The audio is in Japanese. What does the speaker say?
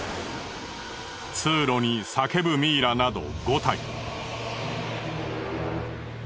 通路に叫ぶミイラなど５体。